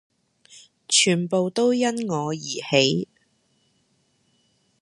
全部都因我而起